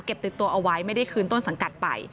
ติดตัวเอาไว้ไม่ได้คืนต้นสังกัดไป